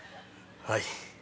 はい。